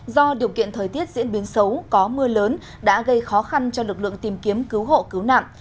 biến biến xấu có mưa lớn đã gây khó khăn cho lực lượng tìm kiếm cứu hộ cứu nặng